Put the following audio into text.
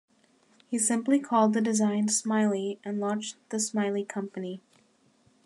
He simply called the design "Smiley" and launched the Smiley Company.